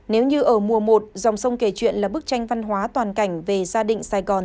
nếu như ở mùa một dòng sông kể chuyện là bức tranh văn hóa toàn cảnh về gia định sài gòn